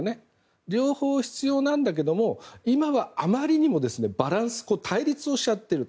両方必要なんだけど今はあまりにも対立をしちゃっていると。